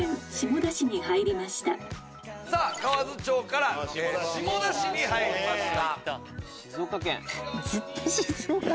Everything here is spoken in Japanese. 河津町から下田市に入りました。